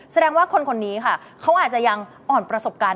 แสดงว่าคนคนนี้ค่ะเขาอาจจะยังอ่อนประสบการณ์